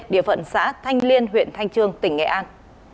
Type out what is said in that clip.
địa phận xã thanh liên huyện thanh trương tỉnh nghệ an